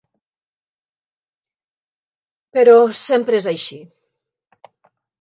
Però sempre és així.